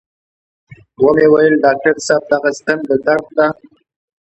و مې ويل ډاکتر صاحب دغه ستن د درد ده.